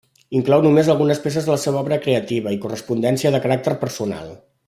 Inclou només algunes peces de la seva obra creativa i correspondència de caràcter personal.